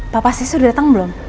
papa sis udah datang belum